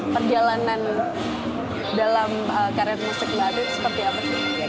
perjalanan dalam karir musik baru seperti apa sih